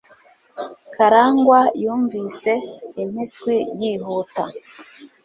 Karangwa yumvise impiswi yihuta.